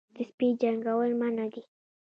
د سپي جنګول منع دي